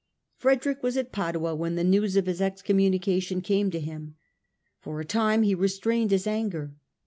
Frederick was at Padua when the news of his excom munication came to him. For a time he restrained his anger.